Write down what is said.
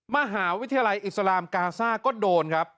มหาวิทยาลัยอิสลามกาซ่าก็โดนครับ